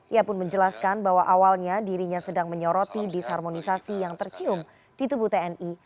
ia pun menjelaskan bahwa awalnya dirinya sedang menyoroti disharmonisasi yang tercium di tubuh tni